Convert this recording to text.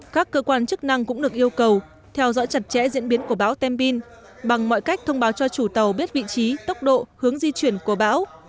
các cơ quan chức năng cũng được yêu cầu theo dõi chặt chẽ diễn biến của báo tem bin bằng mọi cách thông báo cho chủ tàu biết vị trí tốc độ hướng di chuyển của bão